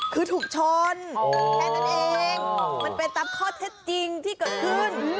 คือถูกชนแค่นั้นเองมันเป็นตามข้อเท็จจริงที่เกิดขึ้น